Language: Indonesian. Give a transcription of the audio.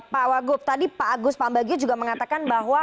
pak wagub tadi pak agus pambagio juga mengatakan bahwa